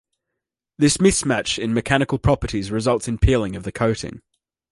This mismatch in mechanical properties results in peeling of the coating.